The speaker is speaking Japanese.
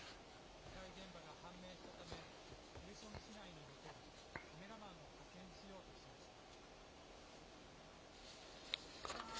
被害現場が判明したため、ヘルソン市内に残るカメラマンを派遣しようとしました。